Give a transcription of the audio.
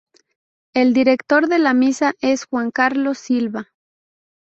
El director de la misma es Juan Carlos Silva.